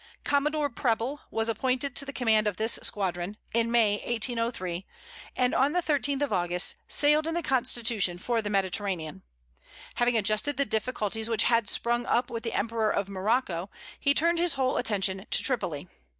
Commodore Preble was appointed to the command of this squadron, in May 1803, and on the 13th of August, sailed in the Constitution for the Mediterranean. Having adjusted the difficulties which had sprung up with the emperor of Morocco, he turned his whole attention to Tripoli.